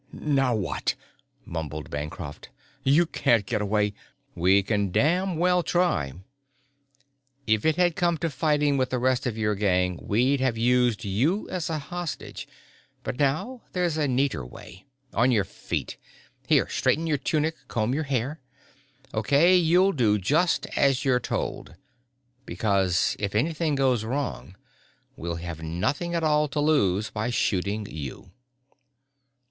"Now what?" mumbled Bancroft. "You can't get away " "We can damn well try. If it had come to fighting with the rest of your gang we'd have used you as a hostage but now there's a neater way. On your feet! Here, straighten your tunic, comb your hair. Okay, you'll do just as you're told, because if anything goes wrong we'll have nothing at all to lose by shooting you."